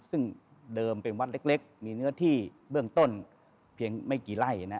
ซึ่งเดิมเป็นวัดเล็กมีเนื้อที่เบื้องต้นเพียงไม่กี่ไร่นะ